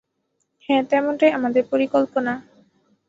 হ্যাঁ, তেমনটাই আমাদের পরিকল্পনা।